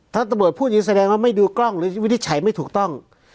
ถ้าตำรวจพูดอย่างนี้แสดงว่าไม่ดูกล้องหรือวินิจฉัยไม่ถูกต้อง